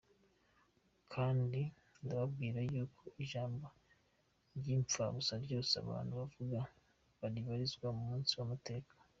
Kandi ndababwira yuko ijambo ry’impfabusa ryose abantu bavuga, bazaribazwa ku munsi w’amateka.